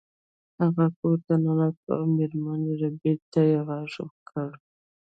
هغه کور ته ننوت او میرمن ربیټ ته یې غږ کړ